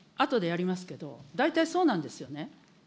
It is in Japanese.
あとでやりますけど、大体そうなんですよね。